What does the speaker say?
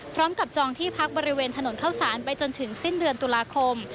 จองที่พักบริเวณถนนเข้าสารไปจนถึงสิ้นเดือนตุลาคม